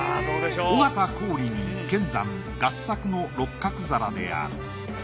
尾形光琳乾山合作の六角皿である。